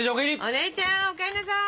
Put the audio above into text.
お姉ちゃんお帰んなさい！